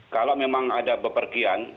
kalau memang ada bepergian